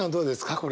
これ。